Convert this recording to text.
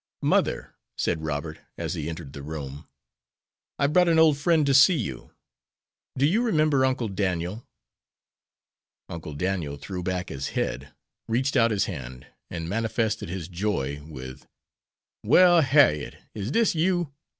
"Mother," said Robert, as he entered the room, "I've brought an old friend to see you. Do you remember Uncle Daniel?" Uncle Daniel threw back his head, reached out his hand, and manifested his joy with "Well, Har'yet! is dis you?